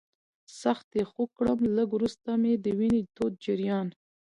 سخت یې خوږ کړم، لږ وروسته مې د وینې تود جریان.